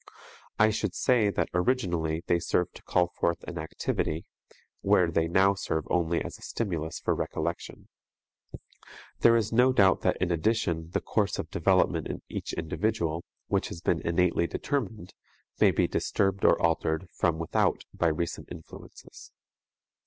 I should say that originally they served to call forth an activity, where they now serve only as a stimulus for recollection. There is no doubt that in addition the course of development in each individual, which has been innately determined, may be disturbed or altered from without by recent influences.